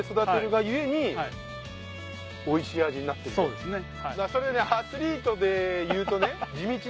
そうですね。